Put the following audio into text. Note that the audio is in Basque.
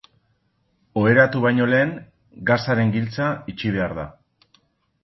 Oheratu baino lehen, gasaren giltza itxi behar da.